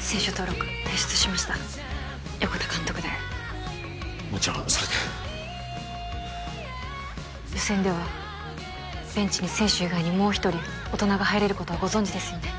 選手登録提出しました横田監督でもちろんそれで予選ではベンチに選手以外にもう１人大人が入れることはご存じですよね？